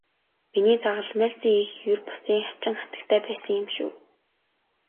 Миний загалмайлсан эх ер бусын хачин хатагтай байсан юм шүү.